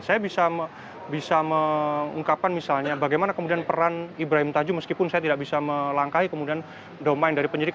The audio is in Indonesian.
saya bisa mengungkapkan misalnya bagaimana kemudian peran ibrahim tajuh meskipun saya tidak bisa melangkahi kemudian domain dari penyidik